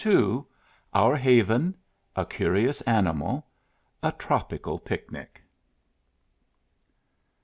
OUR HAVEN. — A CURIOUS ANIMAL. — A TROPICAL PICNIC.